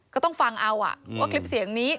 ก็ต้องฟังเอาว่าคลิปเสียงนี้